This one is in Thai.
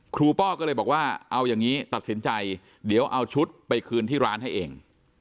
ป้อก็เลยบอกว่าเอาอย่างนี้ตัดสินใจเดี๋ยวเอาชุดไปคืนที่ร้านให้เอง